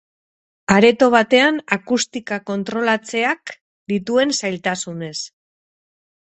Areto batean akustika kontrolatzeak dituen zailtasunez.